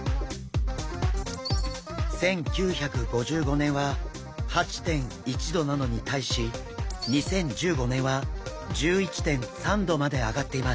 １９５５年は８．１℃なのに対し２０１５年は１１．３℃まで上がっています。